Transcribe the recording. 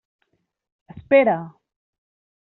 Espera!